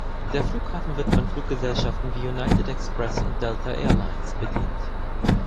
Der Flughafen wird von Fluggesellschaften wie United Express und Delta Airlines bedient.